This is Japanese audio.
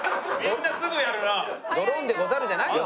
「ドロンでござる」じゃないよ